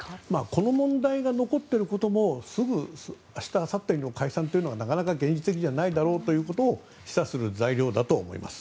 この問題が残っていることもすぐ明日、明後日にも解散というのはなかなか現実的じゃないだろうと示唆する材料だと思います。